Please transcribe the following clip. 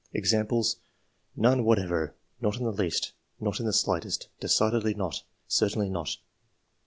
Examples: —" None whatever ;"" not in the least; "^* not in the slightest ;'^" decidedly not ;"'' certainly not."